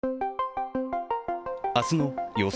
明日の予想